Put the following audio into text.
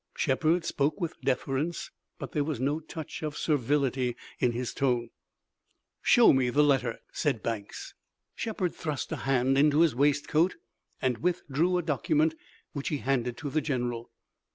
Shepard spoke with deference, but there was no touch of servility in his tone. "Show me the letter," said Banks. Shepard thrust a hand into his waistcoat and withdrew a document which he handed to the general.